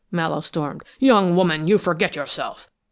Mallowe stormed. "Young woman, you forget yourself!